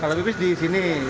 kalau pipis di sini